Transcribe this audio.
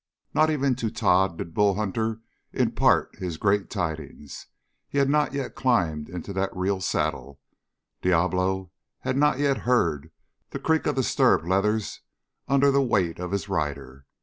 Not even to Tod did Bull Hunter impart his great tidings. He had not yet climbed into that real saddle; Diablo had not yet heard the creak of the stirrup leathers under the weight of his rider.